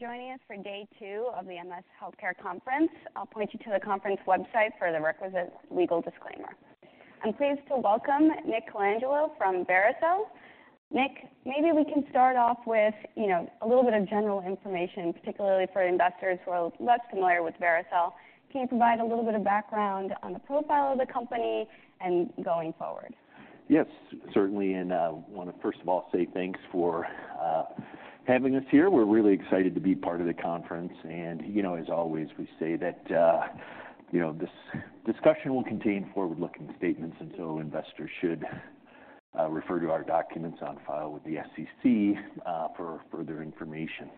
Thanks for joining us for day two of the Morgan Stanley Healthcare Conference. I'll point you to the conference website for the requisite legal disclaimer. I'm pleased to welcome Nick Colangelo from Vericel. Nick, maybe we can start off with, you know, a little bit of general information, particularly for investors who are less familiar with Vericel. Can you provide a little bit of background on the profile of the company and going forward? Yes, certainly, and I wanna first of all say thanks for having us here. We're really excited to be part of the conference. You know, as always, we say that, you know, this discussion will contain forward-looking statements, and so investors should refer to our documents on file with the SEC for further information.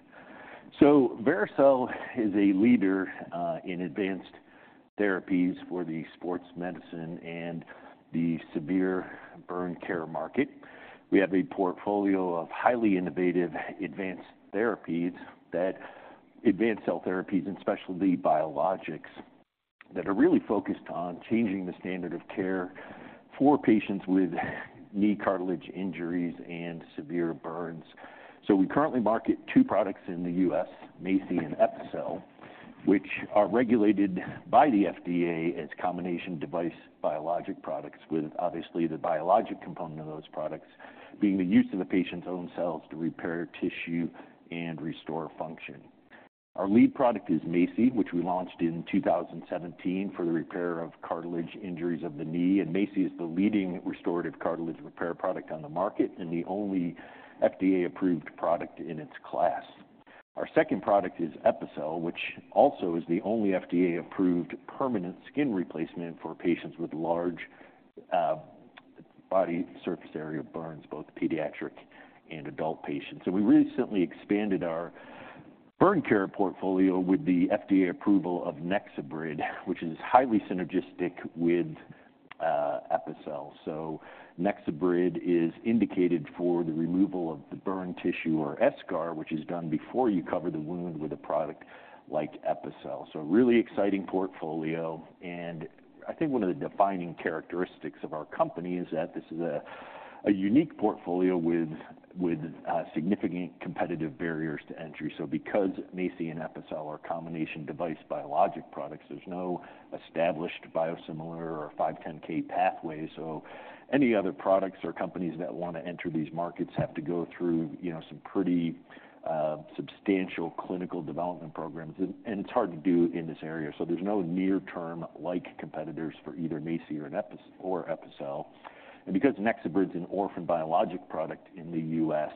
Vericel is a leader in advanced therapies for the sports medicine and the severe burn care market. We have a portfolio of highly innovative advanced therapies that- advanced cell therapies, and specialty biologics that are really focused on changing the standard of care for patients with knee cartilage injuries and severe burns. So we currently market two products in the U.S., MACI and Epicel, which are regulated by the FDA as combination device biologic products, with obviously the biologic component of those products being the use of the patient's own cells to repair tissue and restore function. Our lead product is MACI, which we launched in 2017 for the repair of cartilage injuries of the knee, and MACI is the leading restorative cartilage repair product on the market and the only FDA-approved product in its class. Our second product is Epicel, which also is the only FDA-approved permanent skin replacement for patients with large body surface area burns, both pediatric and adult patients. We recently expanded our burn care portfolio with the FDA approval of NexoBrid, which is highly synergistic with Epicel. So NexoBrid is indicated for the removal of the burn tissue or eschar, which is done before you cover the wound with a product like Epicel. So a really exciting portfolio, and I think one of the defining characteristics of our company is that this is a unique portfolio with significant competitive barriers to entry. So because MACI and Epicel are combination device biologic products, there's no established biosimilar or 510(k) pathway. So any other products or companies that wanna enter these markets have to go through, you know, some pretty substantial clinical development programs, and it's hard to do in this area. So there's no near-term like competitors for either MACI or Epicel. Because NexoBrid's an orphan biologic product in the U.S.,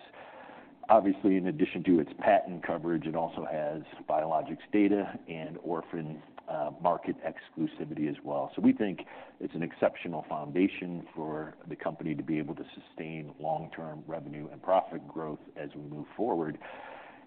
obviously, in addition to its patent coverage, it also has biologics data and orphan market exclusivity as well. So we think it's an exceptional foundation for the company to be able to sustain long-term revenue and profit growth as we move forward.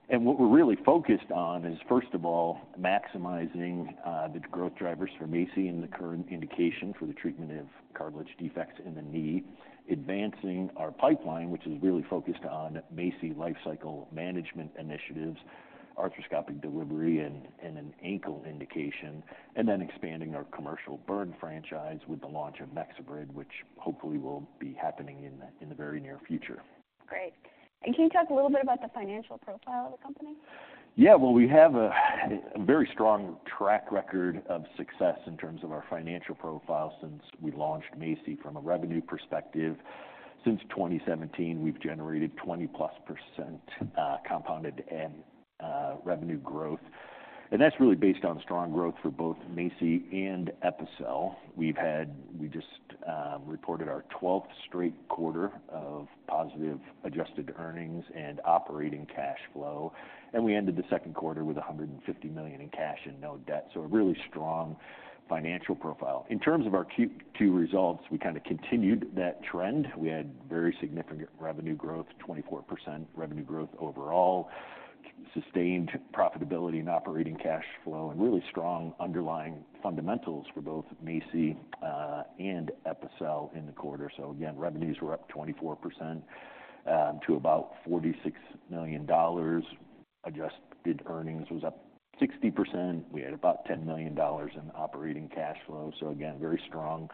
And what we're really focused on is, first of all, maximizing the growth drivers for MACI in the current indication for the treatment of cartilage defects in the knee, advancing our pipeline, which is really focused on MACI lifecycle management initiatives, arthroscopic delivery, and an ankle indication, and then expanding our commercial burn franchise with the launch of NexoBrid, which hopefully will be happening in the very near future. Great. Can you talk a little bit about the financial profile of the company? Yeah. Well, we have a very strong track record of success in terms of our financial profile since we launched MACI. From a revenue perspective, since 2017, we've generated 20%+ compounded revenue growth, and that's really based on strong growth for both MACI and Epicel. We just reported our 12th straight quarter of positive adjusted earnings and operating cash flow, and we ended the second quarter with $150 million in cash and no debt, so a really strong financial profile. In terms of our Q2 results, we kind of continued that trend. We had very significant revenue growth, 24% revenue growth overall, sustained profitability and operating cash flow, and really strong underlying fundamentals for both MACI and Epicel in the quarter. So again, revenues were up 24% to about $46 million. Adjusted earnings was up 60%. We had about $10 million in operating cash flow, so again, very strong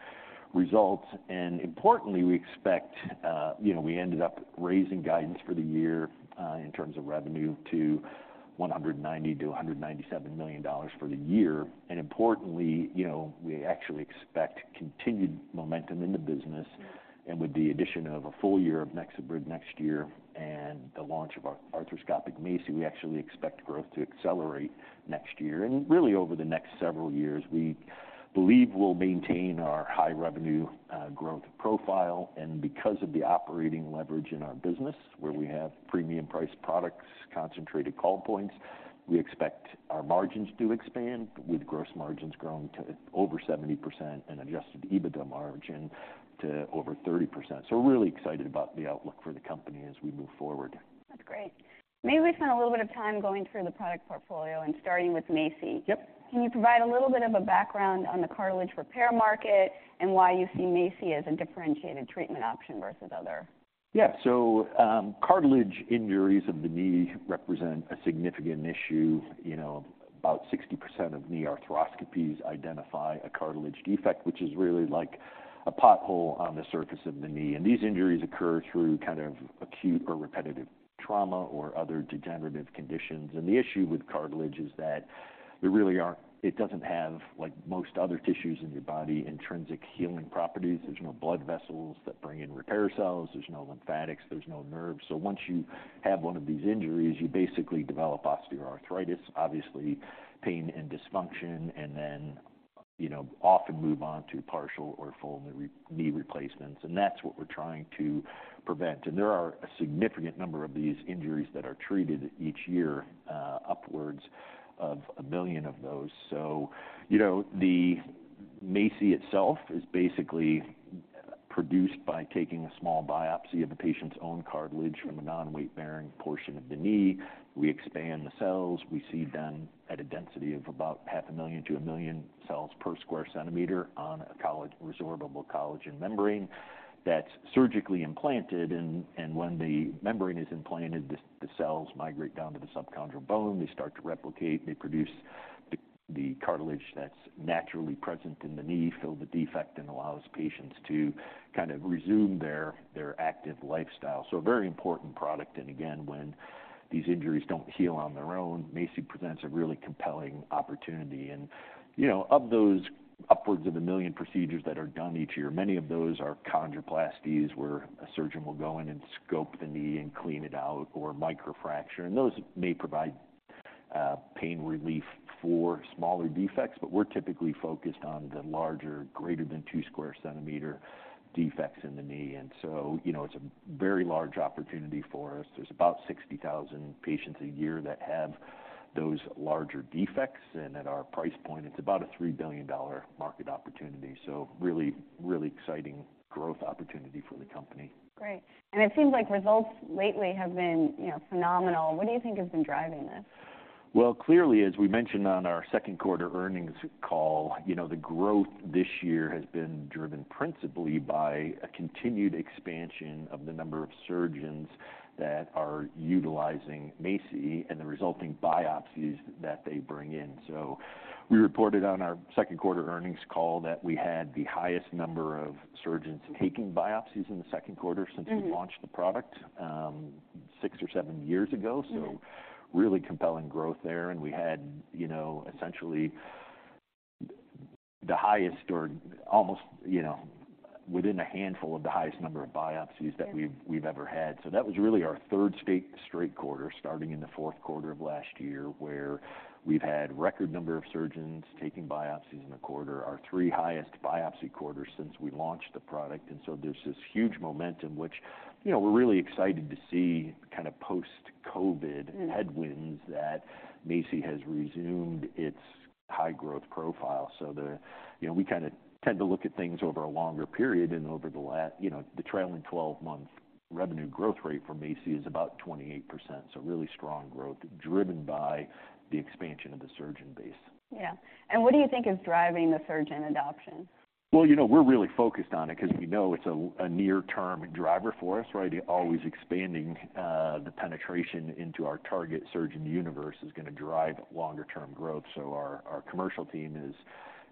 results. And importantly, we expect, you know, we ended up raising guidance for the year, in terms of revenue, to $190 million-$197 million for the year. And importantly, you know, we actually expect continued momentum in the business. And with the addition of a full year of NexoBrid next year and the launch of our arthroscopic MACI, we actually expect growth to accelerate next year and really over the next several years. We believe we'll maintain our high revenue, growth profile. Because of the operating leverage in our business, where we have premium priced products, concentrated call points, we expect our margins to expand, with gross margins growing to over 70% and Adjusted EBITDA margin to over 30%. We're really excited about the outlook for the company as we move forward. That's great. May we spend a little bit of time going through the product portfolio and starting with MACI? Yep. Can you provide a little bit of a background on the cartilage repair market and why you see MACI as a differentiated treatment option versus other? Yeah. So, cartilage injuries of the knee represent a significant issue—you know, about 60% of knee arthroscopies identify a cartilage defect, which is really like a pothole on the surface of the knee. And these injuries occur through kind of acute or repetitive trauma or other degenerative conditions. And the issue with cartilage is that there really aren't—it doesn't have, like most other tissues in your body, intrinsic healing properties. There's no blood vessels that bring in repair cells, there's no lymphatics, there's no nerves. So once you have one of these injuries, you basically develop osteoarthritis, obviously pain and dysfunction, and then, you know, often move on to partial or full knee replacements, and that's what we're trying to prevent. And there are a significant number of these injuries that are treated each year, upwards of 1 million of those. So, you know, the MACI itself is basically produced by taking a small biopsy of a patient's own cartilage from a non-weightbearing portion of the knee. We expand the cells. We seed them at a density of about 500,000 to 1,000,000 cells per square centimeter on a collagen-resorbable collagen membrane that's surgically implanted. And when the membrane is implanted, the cells migrate down to the subchondral bone. They start to replicate. They produce the cartilage that's naturally present in the knee, fill the defect, and allows patients to kind of resume their active lifestyle. So a very important product, and again, when these injuries don't heal on their own, MACI presents a really compelling opportunity. And, you know, of those upwards of 1 million procedures that are done each year, many of those are chondroplasties, where a surgeon will go in and scope the knee and clean it out or microfracture, and those may provide pain relief for smaller defects. But we're typically focused on the larger, greater than 2 square centimeter defects in the knee. And so, you know, it's a very large opportunity for us. There's about 60,000 patients a year that have those larger defects, and at our price point, it's about a $3 billion market opportunity. So really, really exciting growth opportunity for the company. Great. It seems like results lately have been, you know, phenomenal. What do you think has been driving this? Well, clearly, as we mentioned on our second quarter earnings call, you know, the growth this year has been driven principally by a continued expansion of the number of surgeons that are utilizing MACI and the resulting biopsies that they bring in. So we reported on our second quarter earnings call that we had the highest number of surgeons taking biopsies in the second quarter- Mm-hmm. - since we launched the product, six or seven years ago. Mm-hmm. Really compelling growth there. We had, you know, essentially the highest or almost, you know, within a handful of the highest number of biopsies that we've- Mm... we've ever had. So that was really our third straight quarter, starting in the fourth quarter of last year, where we've had record number of surgeons taking biopsies in a quarter, our three highest biopsy quarters since we launched the product. And so there's this huge momentum, which, you know, we're really excited to see kind of post-COVID- Mm. headwinds, that MACI has resumed its high growth profile. So... You know, we kind of tend to look at things over a longer period, and over the last, you know, the trailing 12-month revenue growth rate for MACI is about 28%. So really strong growth, driven by the expansion of the surgeon base. Yeah. What do you think is driving the surgeon adoption? Well, you know, we're really focused on it because we know it's a near-term driver for us, right? Always expanding the penetration into our target surgeon universe is going to drive longer term growth. So our commercial team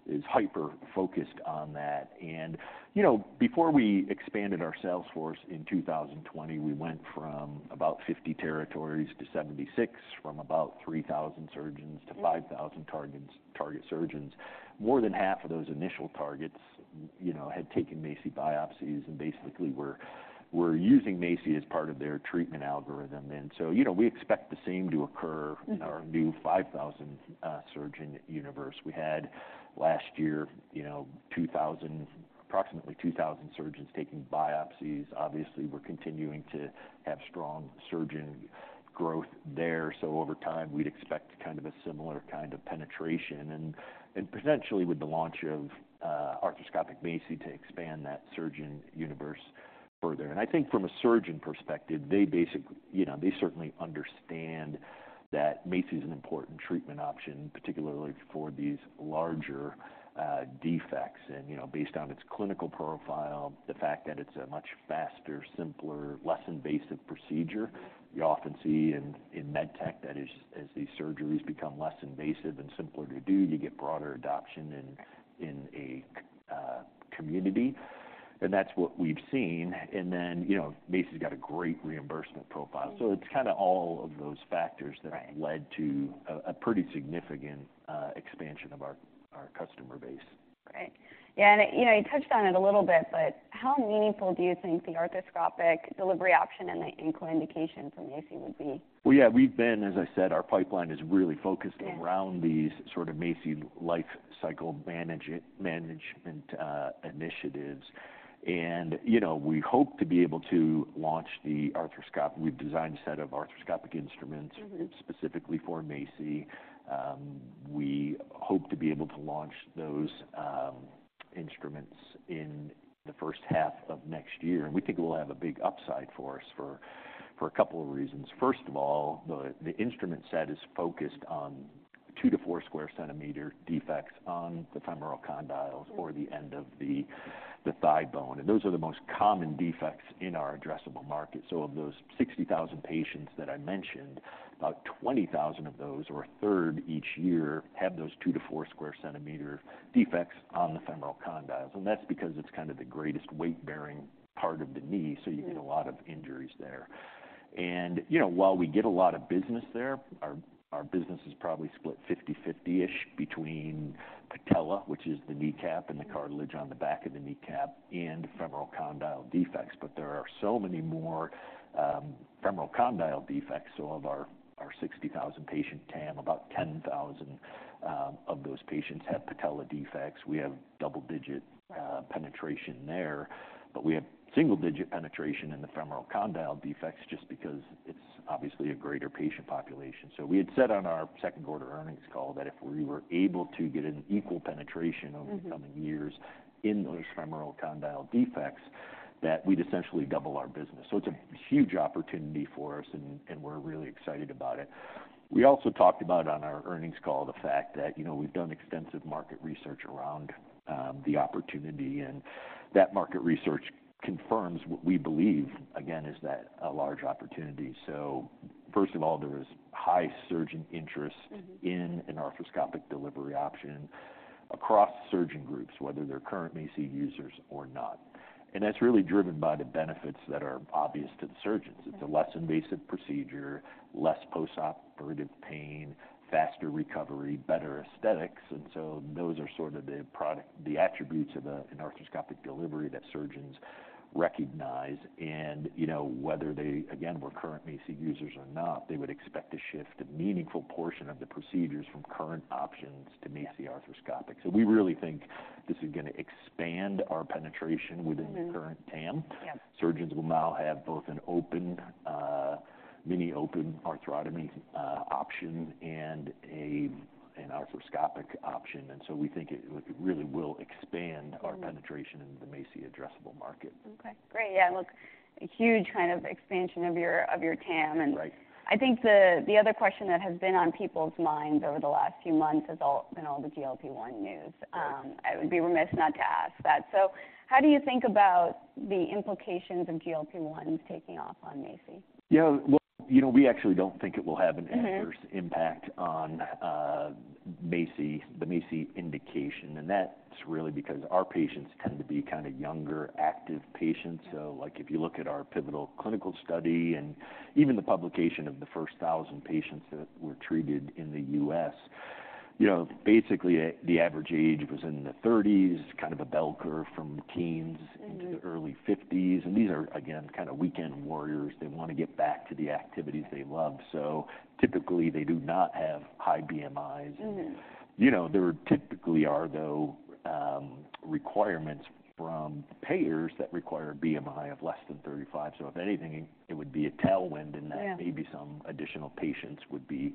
is hyper-focused on that. And, you know, before we expanded our sales force in 2020, we went from about 50 territories to 76, from about 3,000 surgeons to 5,000 target surgeons. More than half of those initial targets, you know, had taken MACI biopsies and basically were using MACI as part of their treatment algorithm. And so, you know, we expect the same to occur- Mm-hmm in our new 5,000 surgeon universe. We had last year, you know, approximately 2,000 surgeons taking biopsies. Obviously, we're continuing to have strong surgeon growth there, so over time, we'd expect kind of a similar kind of penetration and, and potentially with the launch of arthroscopic MACI to expand that surgeon universe further. And I think from a surgeon perspective, you know, they certainly understand that MACI is an important treatment option, particularly for these larger defects. And, you know, based on its clinical profile, the fact that it's a much faster, simpler, less invasive procedure, you often see in med tech, that is, as these surgeries become less invasive and simpler to do, you get broader adoption in a community, and that's what we've seen. And then, you know, MACI's got a great reimbursement profile. Mm. So it's kind of all of those factors- Right - that have led to a pretty significant expansion of our customer base. Great. Yeah, and, you know, you touched on it a little bit, but how meaningful do you think the arthroscopic delivery option and the ankle indication for MACI would be? Well, yeah, we've been... As I said, our pipeline is really focused- Yeah around these sort of MACI life cycle management initiatives. And, you know, we hope to be able to launch the arthroscopic. We've designed a set of arthroscopic instruments. Mm-hmm... specifically for MACI. We hope to be able to launch those instruments in the first half of next year, and we think it will have a big upside for us for a couple of reasons. First of all, the instrument set is focused on 4 square centimeter defects on the femoral condyles or the end of the thigh bone. And those are the most common defects in our addressable market. So of those 60,000 patients that I mentioned, about 20,000 of those, or a third each year, have those 2-4 square centimeter defects on the femoral condyles. And that's because it's kind of the greatest weight-bearing part of the knee- Mm-hmm. -so you get a lot of injuries there. And, you know, while we get a lot of business there, our business is probably split 50/50-ish between patella, which is the kneecap and the cartilage on the back of the kneecap, and femoral condyle defects. But there are so many more femoral condyle defects. So of our 60,000 patient TAM, about 10,000 of those patients have patella defects. We have double-digit penetration there, but we have single-digit penetration in the femoral condyle defects just because it's obviously a greater patient population. So we had said on our second quarter earnings call that if we were able to get an equal penetration- Mm-hmm. Over the coming years in those femoral condyle defects, that we'd essentially double our business. So it's a huge opportunity for us, and, and we're really excited about it. We also talked about on our earnings call, the fact that, you know, we've done extensive market research around the opportunity, and that market research confirms what we believe, again, is that a large opportunity. So first of all, there is high surgeon interest- Mm-hmm... in an arthroscopic delivery option across surgeon groups, whether they're current MACI users or not. That's really driven by the benefits that are obvious to the surgeons. Right. It's a less invasive procedure, less postoperative pain, faster recovery, better aesthetics. And so those are sort of the product- the attributes of a, an arthroscopic delivery that surgeons recognize. And, you know, whether they, again, were current MACI users or not, they would expect to shift a meaningful portion of the procedures from current options to MACI arthroscopic. So we really think this is gonna expand our penetration- Mm-hmm... within the current TAM. Yeah. Surgeons will now have both an open mini-open arthrotomy option and an arthroscopic option. And so we think it really will expand- Mm-hmm... our penetration in the MACI addressable market. Okay, great. Yeah, look, a huge kind of expansion of your TAM, and- Right. I think the other question that has been on people's minds over the last few months has all been the GLP-1 news. Yes. I would be remiss not to ask that. So how do you think about the implications of GLP-1 taking off on MACI? Yeah. Well, you know, we actually don't think it will have an- Mm-hmm... adverse impact on MACI, the MACI indication, and that's really because our patients tend to be kind of younger, active patients. Yeah. So like, if you look at our pivotal clinical study and even the publication of the first 1,000 patients that were treated in the U.S., you know, basically, the average age was in the thirties, kind of a bell curve from the teens- Mm-hmm... into the early fifties. These are, again, kind of weekend warriors. They want to get back to the activities they love. Typically, they do not have high BMIs. Mm-hmm. You know, there typically are, though, requirements from payers that require a BMI of less than 35. So if anything, it would be a tailwind, and that- Yeah... maybe some additional patients would be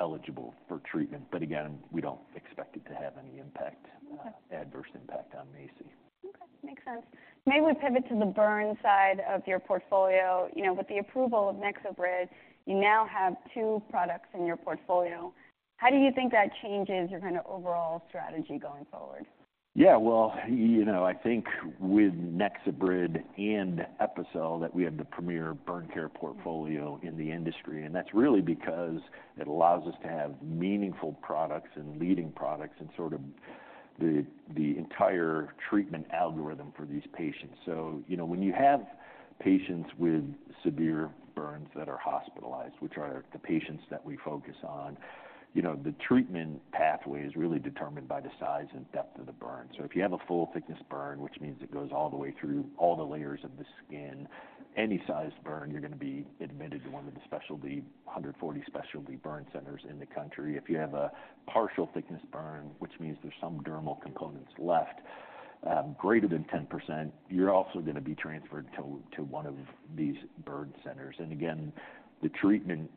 eligible for treatment. But again, we don't expect it to have any impact- Okay... adverse impact on MACI. Okay, makes sense. May we pivot to the burn side of your portfolio? You know, with the approval of NexoBrid, you now have two products in your portfolio. How do you think that changes your kind of overall strategy going forward? Yeah, well, you know, I think with NexoBrid and Epicel, that we have the premier burn care portfolio- Mm-hmm... in the industry. That's really because it allows us to have meaningful products and leading products in sort of the entire treatment algorithm for these patients. So you know, when you have patients with severe burns that are hospitalized, which are the patients that we focus on, you know, the treatment pathway is really determined by the size and depth of the burn. So if you have a full-thickness burn, which means it goes all the way through all the layers of the skin, any size burn, you're gonna be admitted to one of the 140 specialty burn centers in the country. If you have a partial thickness burn, which means there's some dermal components left, greater than 10%, you're also gonna be transferred to one of these burn centers. Again, the treatment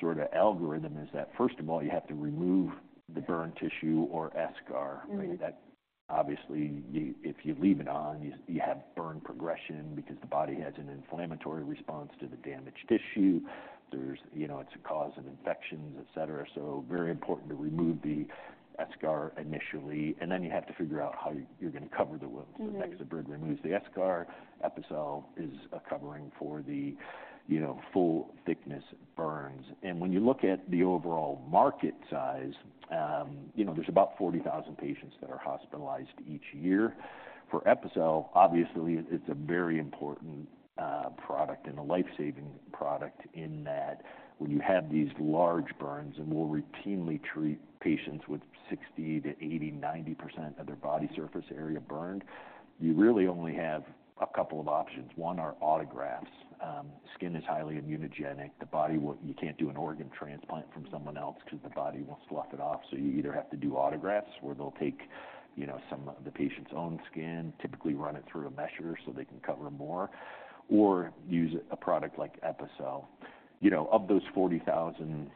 sort of algorithm is that, first of all, you have to remove the burn tissue or eschar. Mm-hmm. That obviously, if you leave it on, you have burn progression because the body has an inflammatory response to the damaged tissue. There's, you know, it's a cause of infections, et cetera. So very important to remove the eschar initially, and then you have to figure out how you're gonna cover the wound. Mm-hmm. So NexoBrid removes the eschar. Epicel is a covering for the, you know, full thickness burns. And when you look at the overall market size, you know, there's about 40,000 patients that are hospitalized each year. For Epicel, obviously, it's a very important product and a life-saving product, in that when you have these large burns, and we'll routinely treat patients with 60%-90% of their body surface area burned, you really only have a couple of options. One, are autografts. Skin is highly immunogenic. The body will. You can't do an organ transplant from someone else because the body will slough it off. So you either have to do autografts, where they'll take, you know, some of the patient's own skin, typically run it through a mesher so they can cover more, or use a product like Epicel. You know, of those 40,000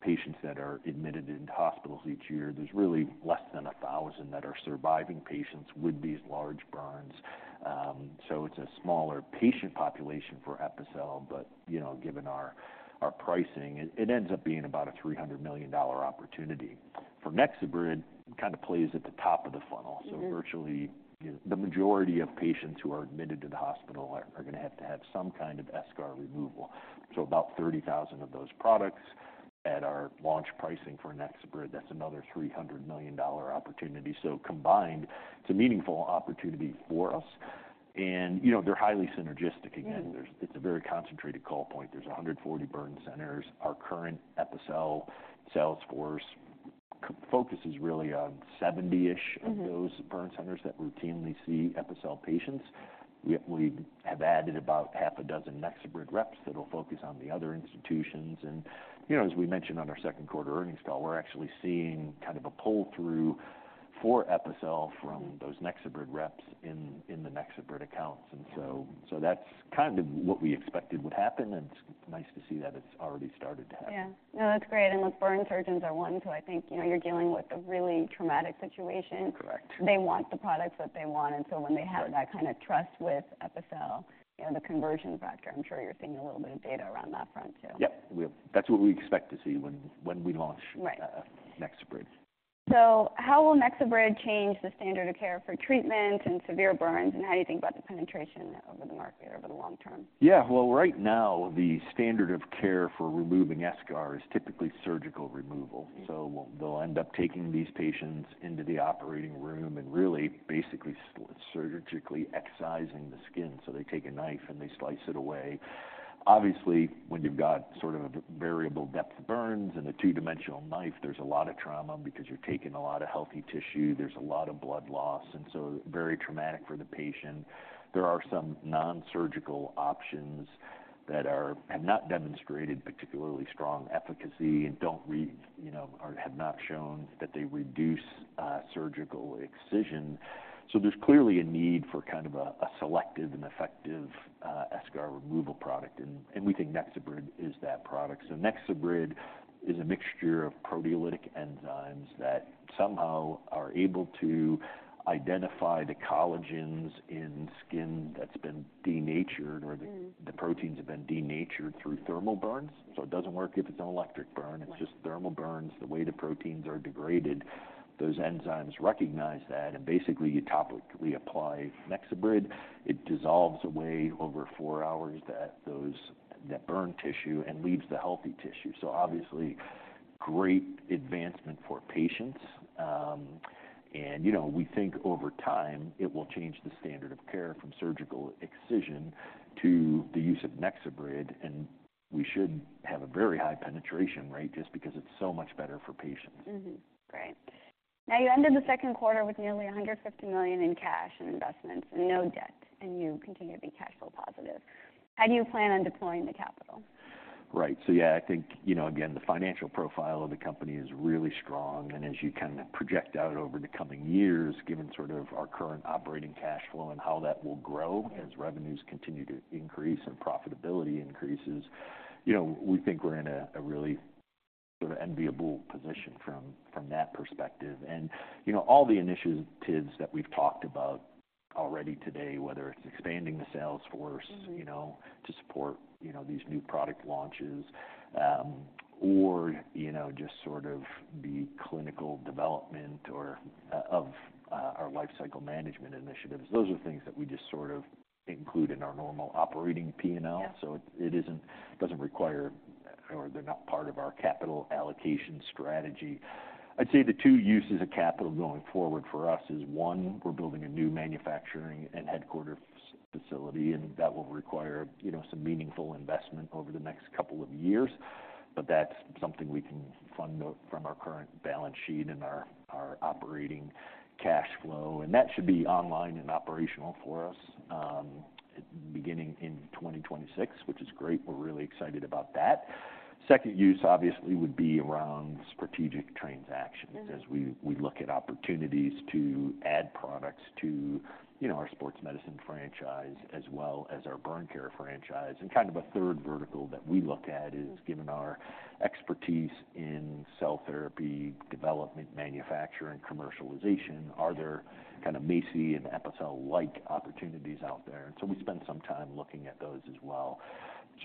patients that are admitted into hospitals each year, there's really less than 1,000 that are surviving patients with these large burns. So it's a smaller patient population for Epicel, but, you know, given our pricing, it ends up being about a $300 million opportunity. For NexoBrid, it kind of plays at the top of the funnel. Mm-hmm. So virtually, you know, the majority of patients who are admitted to the hospital are gonna have to have some kind of eschar removal. So about 30,000 of those products at our launch pricing for NexoBrid, that's another $300 million opportunity. So combined, it's a meaningful opportunity for us. And, you know, they're highly synergistic. Mm-hmm. Again, it's a very concentrated call point. There's 140 burn centers. Our current Epicel sales force focus is really on 70-ish- Mm-hmm... of those burn centers that routinely see Epicel patients. We have added about half a dozen NexoBrid reps that'll focus on the other institutions. You know, as we mentioned on our second quarter earnings call, we're actually seeing kind of a pull-through for Epicel- Mm-hmm... from those NexoBrid reps in the NexoBrid accounts. And so, that's kind of what we expected would happen, and it's nice to see that it's already started to happen. Yeah. No, that's great, and look, burn surgeons are one who I think, you know, you're dealing with a really traumatic situation. Correct. They want the products that they want, and so when they- Right... have that kind of trust with Epicel, you know, the conversion factor, I'm sure you're seeing a little bit of data around that front, too. Yep, we are. That's what we expect to see when we launch- Right ... NexoBrid. How will NexoBrid change the standard of care for treatment and severe burns, and how do you think about the penetration over the market over the long term? Yeah. Well, right now, the standard of care for removing eschar is typically surgical removal. Mm. So they'll end up taking these patients into the operating room and really basically surgically excising the skin. So they take a knife, and they slice it away. Obviously, when you've got sort of a variable depth burns and a two-dimensional knife, there's a lot of trauma because you're taking a lot of healthy tissue. There's a lot of blood loss, and so very traumatic for the patient. There are some nonsurgical options that have not demonstrated particularly strong efficacy and don't you know, or have not shown that they reduce surgical excision. So there's clearly a need for kind of a selective and effective eschar removal product, and we think NexoBrid is that product. So NexoBrid is a mixture of proteolytic enzymes that somehow are able to identify the collagens in skin that's been denatured. Mm... or the proteins have been denatured through thermal burns. So it doesn't work if it's an electric burn. Right. It's just thermal burns, the way the proteins are degraded, those enzymes recognize that, and basically, you topically apply NexoBrid. It dissolves away over 4 hours, that burn tissue and leaves the healthy tissue. So obviously, great advancement for patients. And, you know, we think over time, it will change the standard of care from surgical excision to the use of NexoBrid, and we should have a very high penetration rate, just because it's so much better for patients. Mm-hmm. Great. Now, you ended the second quarter with nearly $150 million in cash and investments and no debt, and you continue to be cash flow positive. How do you plan on deploying the capital? Right. So yeah, I think, you know, again, the financial profile of the company is really strong, and as you kind of project out over the coming years, given sort of our current operating cash flow and how that will grow as revenues continue to increase and profitability increases, you know, we think we're in a, a really sort of enviable position from, from that perspective. And, you know, all the initiatives that we've talked about already today, whether it's expanding the sales force- Mm-hmm... you know, to support, you know, these new product launches, or, you know, just sort of the clinical development or of our lifecycle management initiatives, those are things that we just sort of include in our normal operating P&L. Yeah. So it isn't or they're not part of our capital allocation strategy. I'd say the two uses of capital going forward for us is, one, we're building a new manufacturing and headquarters facility, and that will require, you know, some meaningful investment over the next couple of years. But that's something we can fund from our current balance sheet and our operating cash flow, and that should be online and operational for us beginning in 2026, which is great. We're really excited about that. Second use, obviously, would be around strategic transactions- Mm-hmm... as we look at opportunities to add products to, you know, our sports medicine franchise as well as our burn care franchise. And kind of a third vertical that we look at- Mm-hmm... given our expertise in cell therapy development, manufacturing, commercialization, are there kind of MACI and Epicel-like opportunities out there? Mm-hmm. We spend some time looking at those as well.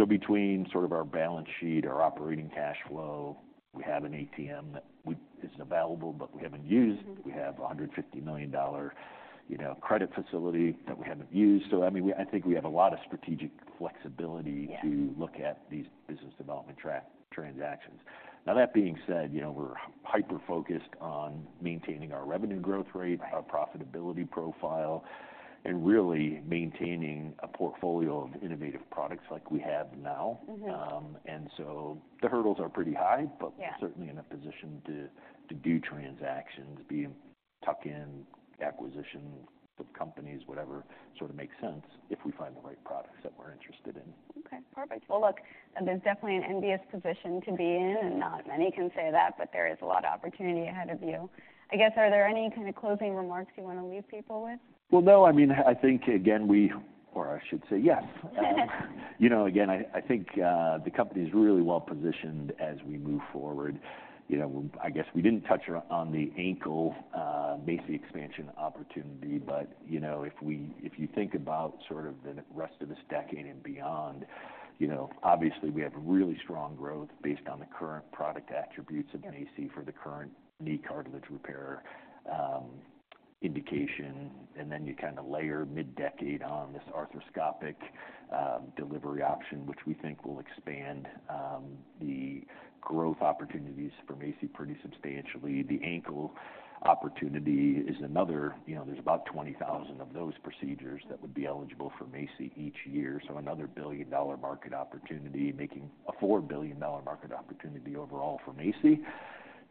Between sort of our balance sheet, our operating cash flow, we have an ATM that we, is available, but we haven't used. Mm-hmm. We have a $150 million, you know, credit facility that we haven't used. So I mean, we - I think we have a lot of strategic flexibility- Yeah... to look at these business development transactions. Now, that being said, you know, we're hyper-focused on maintaining our revenue growth rate- Right... our profitability profile, and really maintaining a portfolio of innovative products like we have now. Mm-hmm. and so the hurdles are pretty high, but- Yeah... we're certainly in a position to do transactions, tuck-in acquisitions of companies, whatever sort of makes sense, if we find the right products that we're interested in. Okay, perfect. Well, look, there's definitely an envious position to be in, and not many can say that, but there is a lot of opportunity ahead of you. I guess, are there any kind of closing remarks you wanna leave people with? Well, no, I mean, I think again, or I should say yes. You know, again, I think the company's really well positioned as we move forward. You know, I guess we didn't touch on the ankle MACI expansion opportunity, but, you know, if you think about sort of the rest of this decade and beyond, you know, obviously, we have really strong growth based on the current product attributes of MACI for the current knee cartilage repair indication. And then you kind of layer mid-decade on this arthroscopic delivery option, which we think will expand the growth opportunities for MACI pretty substantially. The ankle opportunity is another, you know, there's about 20,000 of those procedures that would be eligible for MACI each year, so another billion-dollar market opportunity, making a four billion dollar market opportunity overall for MACI.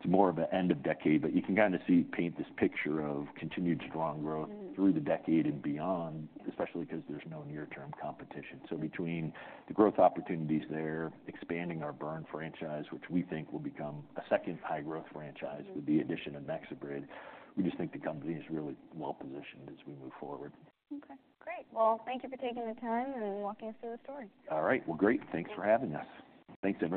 It's more of an end of decade, but you can kind of see, paint this picture of continued strong growth- Mm... through the decade and beyond, especially because there's no near-term competition. So between the growth opportunities there, expanding our burn franchise, which we think will become a second high-growth franchise- Mm-hmm... with the addition of NexoBrid, we just think the company is really well positioned as we move forward. Okay, great. Well, thank you for taking the time and walking us through the story. All right. Well, great. Yeah. Thanks for having us. Thanks, everyone.